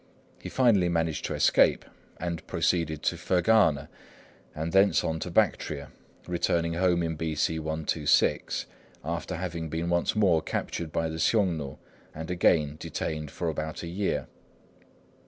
He finally managed to escape, and proceeded to Fergana, and thence on to Bactria, returning home in B.C. 126, after having been once more captured by the Hsiung nu and again detained for about a year.